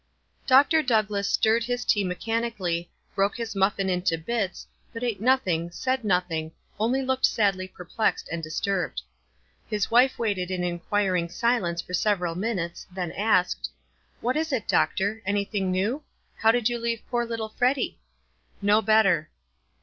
Doctor Douglass stirred his tea mechan ically, broke his muffin into bits, but ate noth ing, said nothing, only looked sadly perplexed and disturbed. His wife waited in inquiring silence for several minutes, then asked, — "What is it, doctor? Anything new? How did you leave poor little Freddy?" "No better."